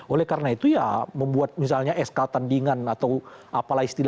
oleh karena itu ya membuat misalnya sk tandingan atau apalah istilah